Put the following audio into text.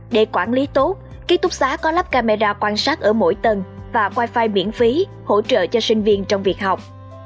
để quản lý tốt ký túc xá có lắp camera quan sát ở mỗi tầng và wifi miễn phí hỗ trợ cho sinh viên trong việc học